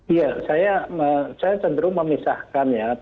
iya saya cenderung memisahkan ya